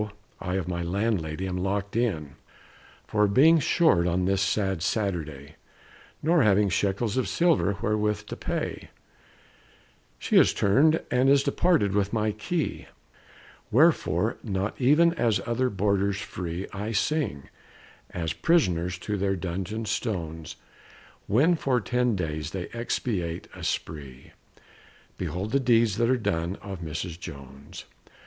I, of my landlady, am locked in, For being short on this sad Saturday, Nor having shekels of silver wherewith to pay; She has turned and is departed with my key; Wherefore, not even as other boarders free, I sing (as prisoners to their dungeon stones When for ten days they expiate a spree): Behold the deeds that are done of Mrs. Jones!